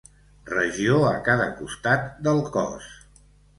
Regió a cada costat del cos.